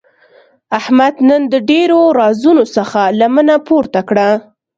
احمد نن د ډېرو رازونو څخه لمنه پورته کړه.